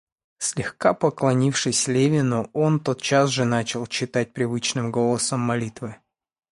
Слегка поклонившись Левину, он тотчас же начал читать привычным голосом молитвы.